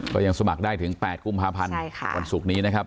สมัครได้ถึง๘กุมภาพันธ์วันศุกร์นี้นะครับ